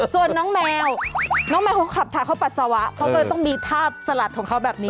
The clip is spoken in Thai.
ส่วนน้องแมวน้องแมวเขาขับถ่ายเขาปัสสาวะเขาก็เลยต้องมีทาบสลัดของเขาแบบนี้